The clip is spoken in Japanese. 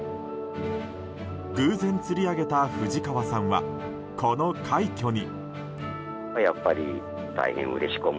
偶然、釣り上げた藤川さんはこの快挙に。